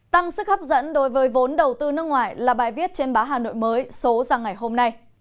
tăng sức hấp dẫn đối với vốn đầu tư nước ngoài là bài viết trên báo hà nội mới số ra ngày hôm nay